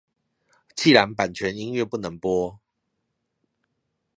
既然版權音樂不能播